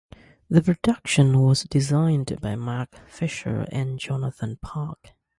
The production was designed by Mark Fisher and Jonathan Park.